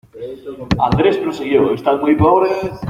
Andrés prosiguió están muy pobres.